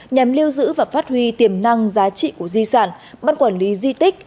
nhằm lưu giữ và phát huy tiềm năng giá trị của di sản ban quản lý di tích